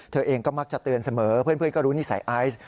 เธอเองก็มักจะเตือนเสมอเพื่อนก็รู้นิสัยไอซ์